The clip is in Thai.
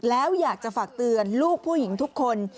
แล้วอยากจะฝากเตือนลูกผู้หญิงทุกคน